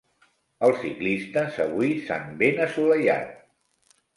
Els ciclistes avui s'han ben assolellat.